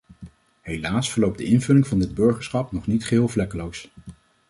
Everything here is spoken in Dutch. Helaas verloopt de invulling van dit burgerschap nog niet geheel vlekkeloos.